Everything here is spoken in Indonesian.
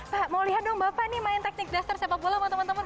pak mau lihat dong bapak nih main teknik duster sepak bola sama teman teman